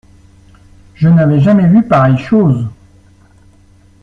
Je n’avais jamais vu pareille chose.